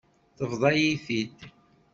Tebḍa-yi-t-id.